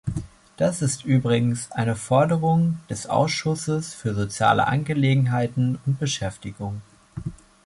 Das ist übrigens eine Forderung des Ausschusses für soziale Angelegenheiten und Beschäftigung.